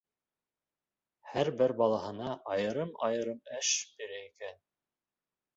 Һәр бер балаһына айырым-айырым эш бирә икән.